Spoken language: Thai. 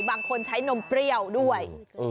บางคนใช้นมเปรี้ยวด้วย